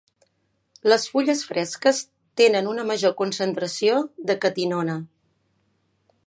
Les fulles fresques tenen una major concentració de catinona.